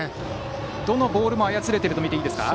どのボールも操れているとみていいですか。